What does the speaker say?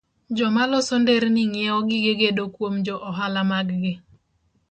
Joma loso nderni ng'iewo gige gedo kuom jo ohala maggi